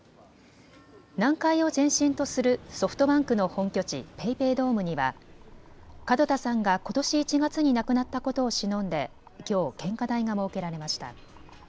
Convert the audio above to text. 南海を前身とするソフトバンクの本拠地、ＰａｙＰａｙドームには門田さんがことし１月に亡くなったことをしのんできょう献花台が設けられました。